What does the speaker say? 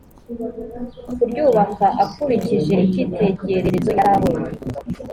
kuryubaka akurikije icyitegererezo yari yabonye